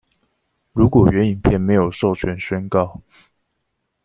如果原影片沒有授權宣告